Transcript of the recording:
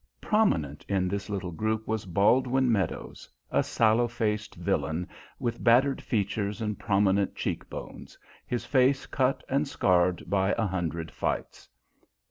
Prominent in this little group was Baldwin Meadows, a sallow faced villain with battered features and prominent cheek bones, his face cut and scarred by a hundred fights.